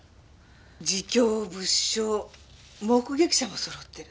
自供物証目撃者も揃ってる。